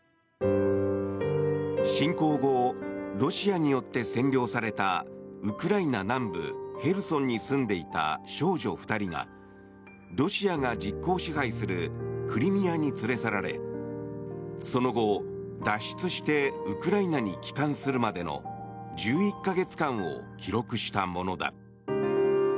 侵攻後ロシアによって占領されたウクライナ南部ヘルソンに住んでいた少女２人がロシアが実効支配するクリミアに連れ去られその後、脱出してウクライナに帰還するまでの１１か月間を記録したものだ。